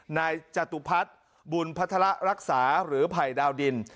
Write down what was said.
นายจตุพัฒน์บุญพัฒระรักษาหรือภัยดาวดิน